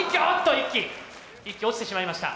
１機落ちてしまいました。